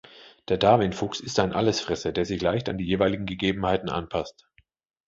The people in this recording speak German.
Der Darwin-Fuchs ist ein Allesfresser, der sich leicht an die jeweiligen Gegebenheiten anpasst.